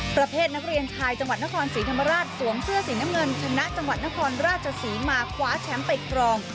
ประเภทนักเรียนชายจังหวัดนครศรีธรรมราชสวมเสื้อสีน้ำเงินชนะจังหวัดนครราชศรีมาคว้าแชมป์ไปครอง